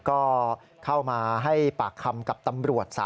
ก็เข้ามาให้ปากคำกับตำรวจ